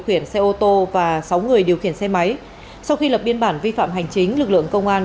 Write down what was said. khiển xe ô tô và sáu người điều khiển xe máy sau khi lập biên bản vi phạm hành chính lực lượng công an